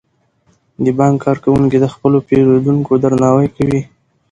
د بانک کارکوونکي د خپلو پیرودونکو درناوی کوي.